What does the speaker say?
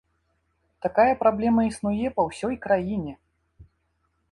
Такая праблема існуе па ўсёй краіне.